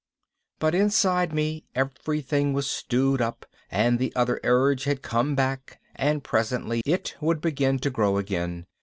But inside me everything was stewed up and the other urge had come back and presently it would begin to grow again.